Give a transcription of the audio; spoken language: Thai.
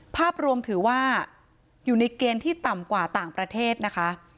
ภาพรวมถือว่าอยู่ในเกณฑ์ที่ต่ำกว่าต่างประเทศนะคะ